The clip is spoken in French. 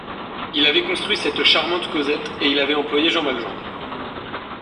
Il avait construit cette charmante Cosette, et il avait employé Jean Valjean.